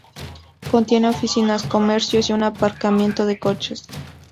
Contiene oficinas, comercios y un aparcamiento de coches.